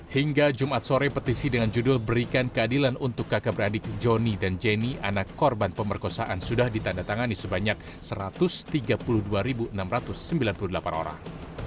hingga jumat sore petisi dengan judul berikan keadilan untuk kakak beradik johnny dan jenny anak korban pemerkosaan sudah ditandatangani sebanyak satu ratus tiga puluh dua enam ratus sembilan puluh delapan orang